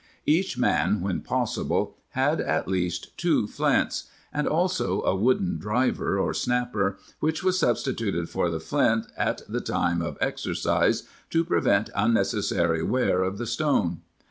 Each man when possible had at least two flints,* and also a wooden " driver" or " snapper," which was substituted for the flint at the time of ex ercise to prevent unnecessary wear of the stone.